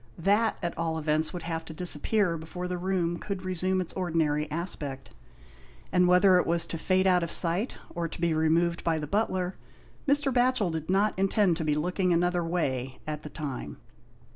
That, at all events would have to disappear before the room could resume its ordinary aspect; and whether it was to fade out of sight or to be removed by the butler, Mr. Batchel did not intend to be looking another way at the time.